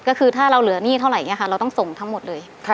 ก็คือถ้าเราเหลือหนี้เท่าไหร่เราต้องส่งทั้งหมดเลย